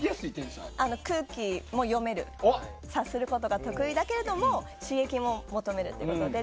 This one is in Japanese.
空気も読める、察することも得意だけれども刺激も求めるということで。